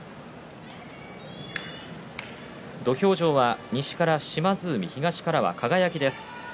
土俵上は西から島津海東からは輝です。